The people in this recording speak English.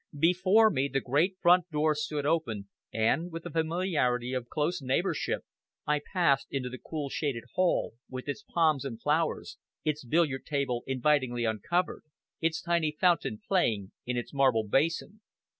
Before me the great front doors stood open, and with the familiarity of close neighborship, I passed into the cool shaded hall, with its palms and flowers, its billiard table invitingly uncovered, its tiny fountain playing in its marble basin.